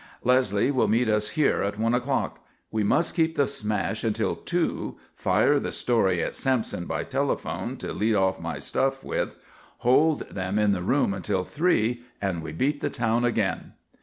"Leslie will meet us here at one o'clock. We must keep the smash until two, fire the story at Sampson by telephone to lead off my stuff with; hold them in the room until three, and we beat the town again."